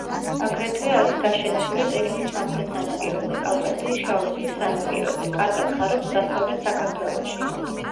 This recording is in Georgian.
აგრეთვე არის გაშენებული ყირიმის სამხრეთ სანაპიროზე, კავკასიის შავი ზღვის სანაპიროზე; კარგად ხარობს დასავლეთ საქართველოში.